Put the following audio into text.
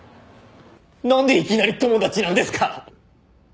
なんでいきなり友達なんですか？